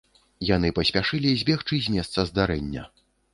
Яны паспяшылі збегчы з месца здарэння.